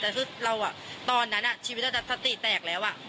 แต่คือเราอ่ะตอนนั้นอ่ะชีวิตเราใช้ตีแตกแล้วอ่ะ